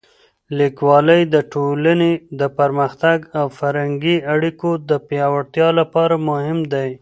لیکوالی د ټولنې د پرمختګ او فرهنګي اړیکو د پیاوړتیا لپاره مهم دی.